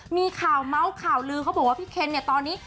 มีข่าวเมาส์เขาบอกพี่เคนตอนนี้